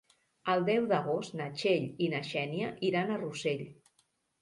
El deu d'agost na Txell i na Xènia iran a Rossell.